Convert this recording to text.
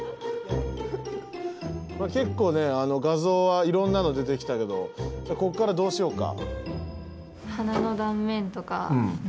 結構ね画像はいろんなの出てきたけどこっからどうしようか？